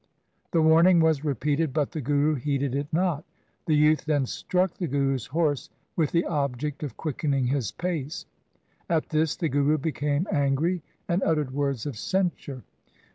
The warning was repeated, but the Guru heeded it not. The youth then struck the Guru's horse with the object of quickening his pace. At this the Guru became angry and uttered words of censure.